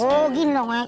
oh gini dong eh